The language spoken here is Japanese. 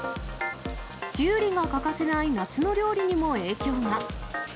キュウリが欠かせない夏の料理にも影響が。